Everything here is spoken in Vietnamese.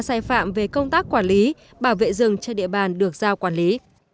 sai phạm về công tác quản lý bảo vệ rừng trên địa bàn được giao quản lý